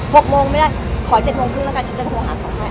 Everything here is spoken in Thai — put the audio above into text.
หกโมงไม่ได้ขอเจ็ดโมงครึ่งแล้วกันฉันจะโทรหาเขาให้